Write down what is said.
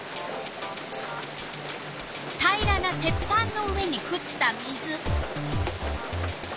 平らな鉄板の上にふった水。